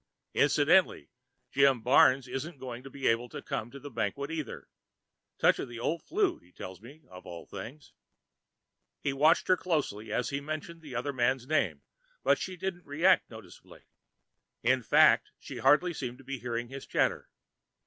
Incidentally, Jim Barnes isn't going to be able to come to the banquet either touch of the old 'flu, he tells me, of all things." He watched her closely as he mentioned the other man's name, but she didn't react noticeably. In fact, she hardly seemed to be hearing his chatter.